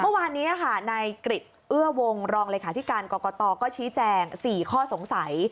เมื่อวานนี้ค่ะนายกริจเอื้อวงรองเลขาธิการกรกตก็ชี้แจง๔ข้อสงสัย